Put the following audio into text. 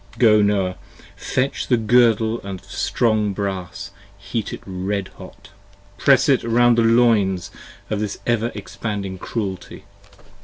Go Noah, fetch the girdle of strong brass, heat it red hot: 60 Press it around the loins of this ever expanding cruelty.